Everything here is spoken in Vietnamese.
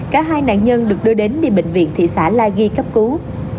cả hai nạn nhân được đưa đến đi bệnh viện thị xã la ghi cấp cứu